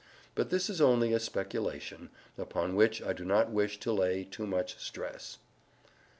But this is only a speculation, upon which I do not wish to lay too much stress.